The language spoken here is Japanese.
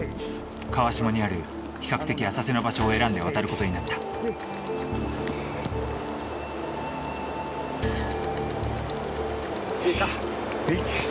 川下にある比較的浅瀬の場所を選んで渡る事になったええか。